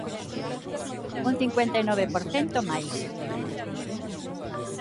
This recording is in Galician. Un cincuenta e nove por cento máis.